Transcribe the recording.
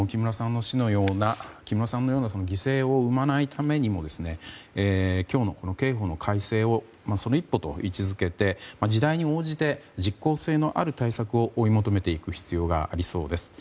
木村さんのような犠牲を生まないためにも今日のこの刑法の改正をその一歩と位置付けて時代に応じて実効性のある対策を追い求めていく必要がありそうです。